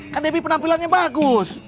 kan debbie penampilannya bagus